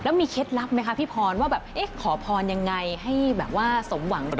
แล้วมีเคล็ดลับไหมว่าพี่พอนจะขอพรอย่างไรให้สมหวัง